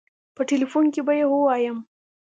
په ټيليفون کې به يې ووايم.